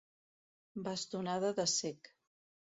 Bastonada de cec.